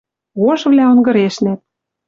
Ожывлӓ онгырешнӓт.